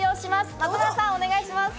松丸さん、お願いします。